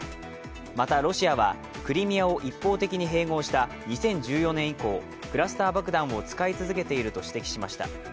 またロシアはクリミアを一方的に併合した２０１４年以降クラスター爆弾を使い続けていると指摘しました。